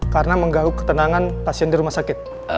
karena menggauh ketenangan pasien di rumah sakit